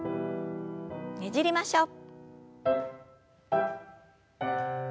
ねじりましょう。